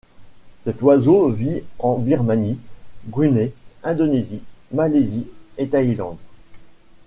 Cet oiseau vit en Birmanie, Brunei, Indonésie, Malaisie et Thaïlande.